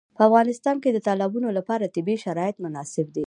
په افغانستان کې د تالابونه لپاره طبیعي شرایط مناسب دي.